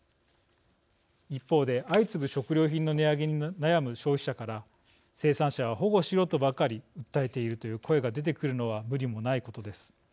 一方で、相次ぐ食料品の値上げに悩む消費者から「生産者は保護しろとばかり訴えている」という声が出てくるのは無理もないことです。